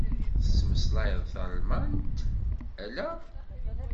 Tettmeslayeḍ talmant? Ala.